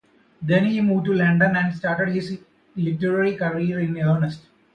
Then he moved to London and started his literary career in earnest.